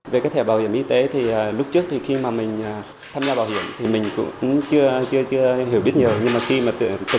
về cái thẻ bảo hiểm y tế thì lúc trước khi mà mình tham gia bảo hiểm thì mình cũng chưa hiểu biết nhiều